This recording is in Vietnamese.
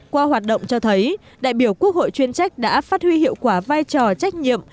qua hoạt động cho thấy đại biểu quốc hội chuyên trách đã phát huy hiệu quả vai trò trách nhiệm